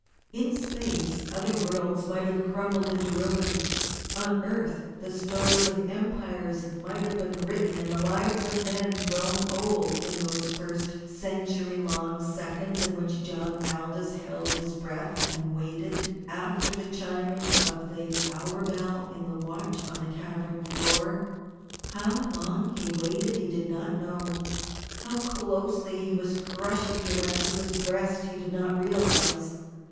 In space other worlds might have crumbled into ruin; on earth the stories of empires might have been written and the lives of men grown old in those first century long seconds in which John Aldous held his breath and waited after the chiming of the hour bell in the watch on the cavern floor. How long he waited he did not know; how closely he was crushing Joanne to his breast he did not realize.